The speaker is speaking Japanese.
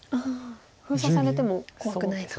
封鎖されても怖くないと。